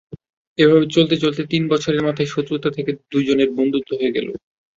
এভাবে চলতে চলতে তিন বছরের মাথায় শত্রুতা থেকে দুজনের বন্ধুত্ব হয়ে গেল।